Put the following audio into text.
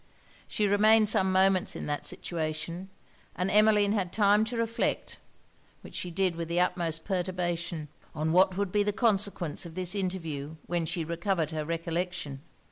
She remained some moments in that situation; and Emmeline had time to reflect, which she did with the utmost perturbation, on what would be the consequence of this interview when she recovered her recollection.